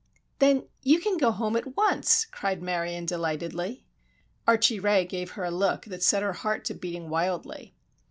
"Then you can go home at once," cried Marion, delightedly. Archie Ray gave her a look that set her heart to beating wildly.